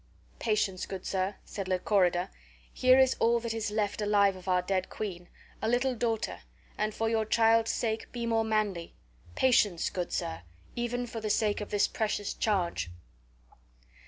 "Patience, good sir," said Lychorida, "here is all that is left alive of our dead queen, a little daughter, and for your child's sake be more manly. Patience, good sir, even for the sake of this precious charge."